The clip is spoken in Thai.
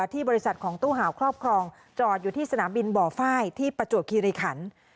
ที่บริษัทของตู้หาวครอบครองจอดอยู่ที่สนามบินบ่อไฟที่ประจวบคิริขัน